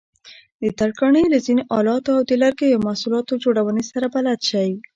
د ترکاڼۍ له ځینو آلاتو او د لرګیو محصولاتو جوړونې سره بلد شئ.